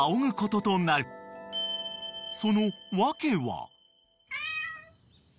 ［その訳は］